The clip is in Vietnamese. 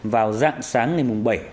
vào dạng sáng ngày bảy